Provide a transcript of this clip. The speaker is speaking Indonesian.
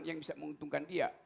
yang bisa menguntungkan dia